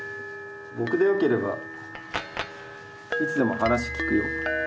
僕でよければいつでも話聞くよ」。